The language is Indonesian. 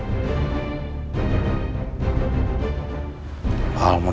terima kasih banyakayed